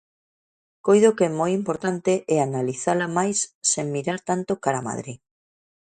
Coido que é moi importante e analizala máis sen mirar tanto cara a Madrid.